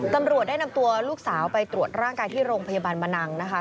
ตำรวจได้นำตัวลูกสาวไปตรวจร่างกายที่โรงพยาบาลมะนังนะคะ